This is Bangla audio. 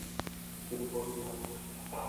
তিনি বন্দী হন নি।